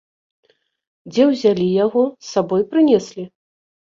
Дзе ўзялі яго, з сабой прынеслі?